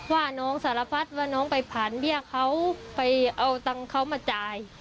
ว่าน้องสารพัดว่าน้องไปผ่านเบี้ยเขาไปเอาตังค์เขามาจ่าย